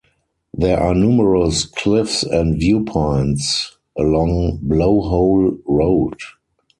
There are numerous cliffs and viewpoints along Blowhole Road.